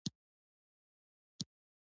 بیزو خپل اولادونه روزي.